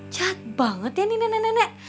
jahat banget ya ni nenek nenek